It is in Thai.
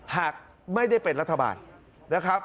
หากไม่ได้เป็นรัฐบาลนะครับ